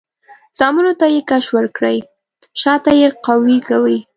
زامنو ته یې کش ورکړی؛ شاته یې قوي کوي.